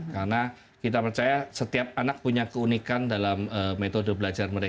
karena kita percaya setiap anak punya keunikan dan keuntungan